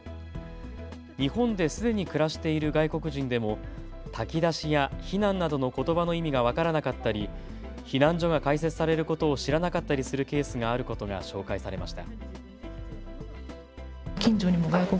日本ですでに暮らしている外国人でも炊き出しや避難などのことばの意味が分からなかったり避難所が開設されることを知らなかったりするケースがあることが紹介されました。